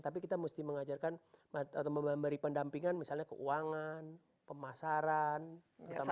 tapi kita mesti mengajarkan atau memberi pendampingan misalnya keuangan pemasaran terutama